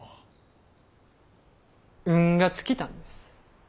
運が尽きたんです。